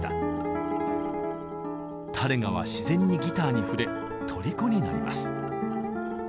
タレガは自然にギターに触れとりこになります。